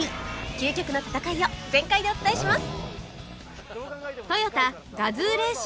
究極の戦いを全開でお伝えします